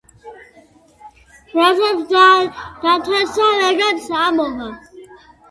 რასაც დათესავ ეგეც ამოვა.